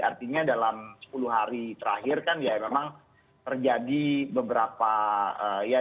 artinya dalam sepuluh hari terakhir kan ya memang terjadi beberapa ya